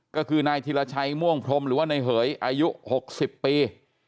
ก็คือนายธิรชัยม่วงพรมหรือว่านายเหยอายุ๖๐ปี